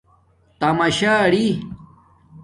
تماشااری